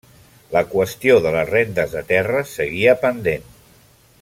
La qüestió de les rendes de terres seguia pendent.